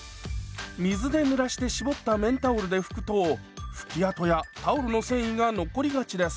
水でぬらして絞った綿タオルで拭くと拭き跡やタオルの繊維が残りがちです。